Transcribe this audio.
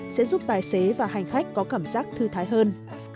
sẽ giúp tài xế và hành khách có cảm giác thư thái hơn